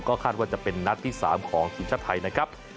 คาดว่าจะเป็นนัดที่๓ของทีมชาติไทยนะครับ